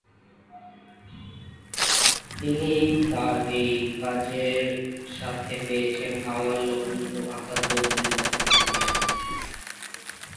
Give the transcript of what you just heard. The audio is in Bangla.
তিনি তার এই কাজে সাথে পেয়েছেন কামাল লোহানী ও আসাদ চৌধুরীর মত ব্যক্তিদের।